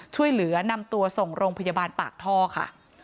ช่วยเหลือนำตัวส่งโรงพยาบาลปากท่อค่ะ